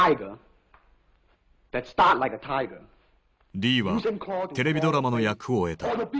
リーはテレビドラマの役を得た。